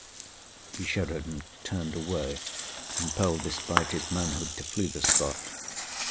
] He shuddered and turned away, impelled, despite his manhood, to flee the spot.